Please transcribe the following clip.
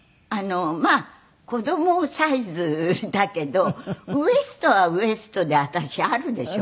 まあ子供サイズだけどウエストはウエストで私あるでしょ。